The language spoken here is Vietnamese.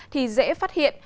thì dễ phát hiện